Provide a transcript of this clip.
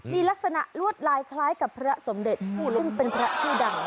มีลักษณะลวดลายคล้ายกับพระสมเด็จซึ่งเป็นพระชื่อดัง